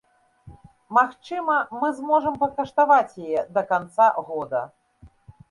Магчыма, мы зможам пакаштаваць яе да канца года.